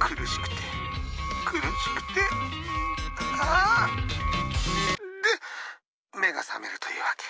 苦しくて苦しくてああっで目が覚めるというわけ。